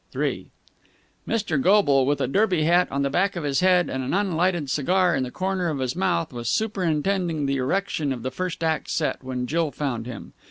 III Mr. Goble, with a Derby hat on the back of his head and an unlighted cigar in the corner of his mouth, was superintending the erection of the first act set when Jill found him.